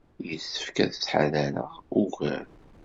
Yessefk ad ttḥadareɣ ugar.